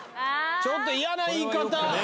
ちょっと嫌な言い方。